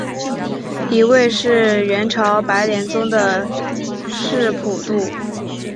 一位是元朝白莲宗的释普度。